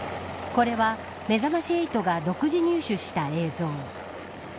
これは、めざまし８が独自入手した映像。